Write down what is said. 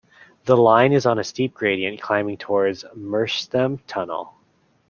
The line is on a steep gradient climbing towards Merstham Tunnel.